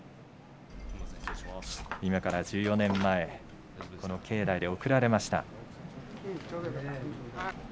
今から１４年前この境内で贈られました。